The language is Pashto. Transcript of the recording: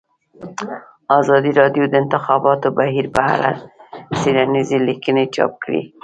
ازادي راډیو د د انتخاباتو بهیر په اړه څېړنیزې لیکنې چاپ کړي.